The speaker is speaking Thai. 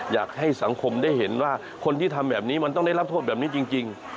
อยากให้สังคมได้เห็นว่าคนที่ทำแบบนี้มันต้องได้รับโทษแบบนี้จริง